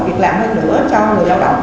việc làm hơn nữa cho người lao động